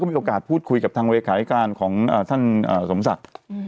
ขอมีโอกาสพูดคุยกับทางวัยไขการคราวเหรอครับ